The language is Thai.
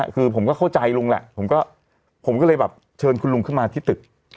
คือผมก็เข้าใจลุงแหละผมก็เลยแบบเชิญคุณลุงขึ้นมาที่ตึก